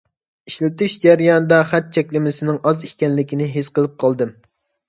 ئىشلىتىش جەريانىدا خەت چەكلىمىسىنىڭ ئاز ئىكەنلىكىنى ھېس قىلىپ قالدىم.